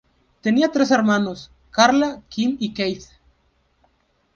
Tenía tres hermanos: Carla, Kim y Keith.